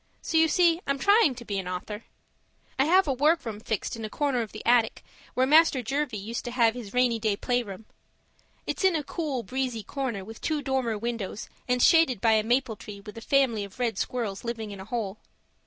So you see I'm trying to be an author. I have a workroom fixed in a corner of the attic where Master Jervie used to have his rainy day playroom. It's in a cool, breezy corner with two dormer windows, and shaded by a maple tree with a family of red squirrels living in a hole.